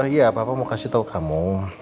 iya papa mau kasih tau kamu